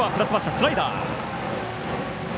スライダー。